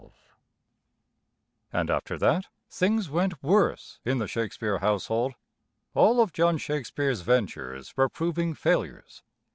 "] XII And after that, things went worse in the Shakespeare household. All of John Shakespeare's ventures were proving failures.